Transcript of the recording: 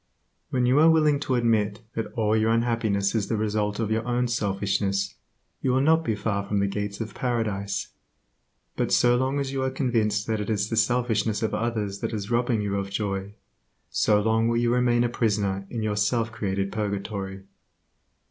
When you are willing to admit that all your unhappiness is the result of your own selfishness you will not be far from the gates of Paradise; but so long as you are convinced that it is the selfishness of others that is robbing you of joy, so long will you remain a prisoner in your self created purgatory.